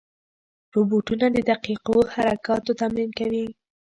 روبوټونه د دقیقو حرکاتو تمرین کوي.